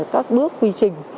các bước quy trình